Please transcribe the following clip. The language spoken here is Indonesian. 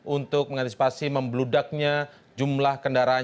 untuk mengantisipasi membludaknya jumlah kendaraan